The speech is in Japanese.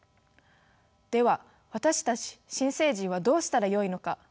では私たち新成人はどうしたらよいのか？